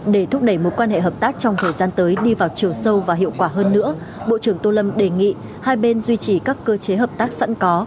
để thúc đẩy mối quan hệ hợp tác trong thời gian tới đi vào chiều sâu và hiệu quả hơn nữa bộ trưởng tô lâm đề nghị hai bên duy trì các cơ chế hợp tác sẵn có